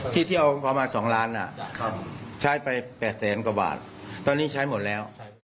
ที่เที่ยวเขามา๒ล้านใช้ไป๘แสนกว่าบาทตอนนี้ใช้หมดแล้ว